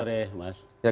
selamat sore mas